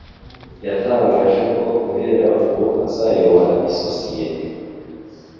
Yatangaje ko guhera ubu azayobora isosiyete .